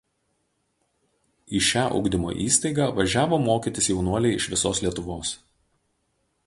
Į šią ugdymo įstaigą važiavo mokytis jaunuoliai iš visos Lietuvos.